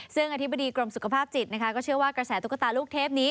ซึ่งอธิบดีกรมสุขภาพจิตเชื่อว่ากระแสลูกเทพ